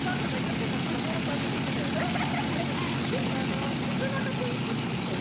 でも大人が全員こっちでしたよ。